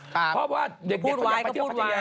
เพราะว่าเด็กเขาอยากไปเที่ยวพัทยา